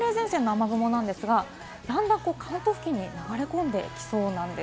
これ寒冷前線の雨雲なんですが、だんだん関東付近に流れ込んでいきそうなんです。